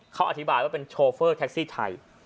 เขาอธิบายว่าเป็นโชเฟอร์แท็กซี่ไทย